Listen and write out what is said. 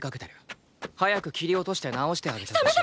早く切り落として治してあげてほしい。